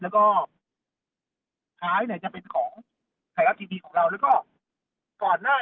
แล้วก็ขายไหนจะเป็นของขายรถที่ดีของเรา